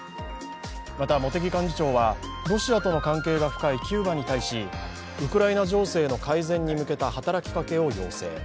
また、茂木幹事長はロシアとの関係が深いキューバに対しウクライナ情勢の改善に向けた働きかけを要請。